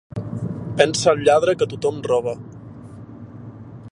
Pensa el lladre que tothom roba